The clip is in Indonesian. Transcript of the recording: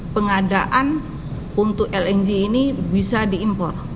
pengadaan untuk lng ini bisa diimpor